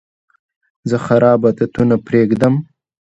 زه خراب عادتونه پرېږدم.